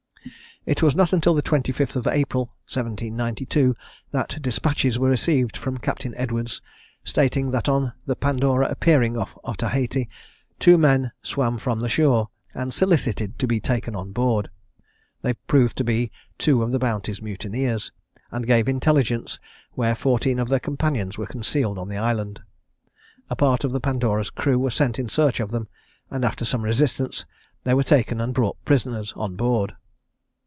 It was not until the 25th of April 1792, that despatches were received from Captain Edwards, stating that on the Pandora appearing off Otaheite, two men swam from the shore, and solicited to be taken on board. They proved to be two of the Bounty's mutineers, and gave intelligence where fourteen of their companions were concealed on the island. A part of the Pandora's crew were sent in search of them; and after some resistance they were taken and brought prisoners on board.